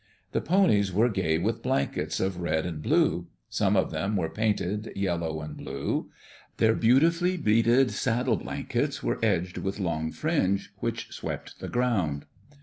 The ponies were gay with blankets of red and blue. Some of them were painted, yellow and blue. Their beau tifully beaded saddle blankets were edged with long fringe which swept the ground.